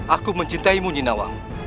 aku mencintaimu nindawa